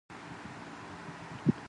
Then the numbers levelled off.